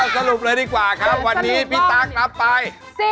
สรุปเลยดีกว่าครับวันนี้พี่ตั๊กรับไป